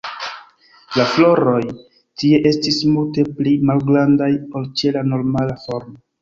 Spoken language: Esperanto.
La floroj tie estis multe pli malgrandaj ol ĉe la normala formo.